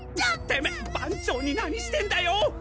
テメッ番長に何してんだよ！